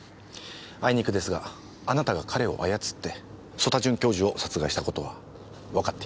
あいにくですがあなたが彼を操って曽田准教授を殺害したことはわかっています。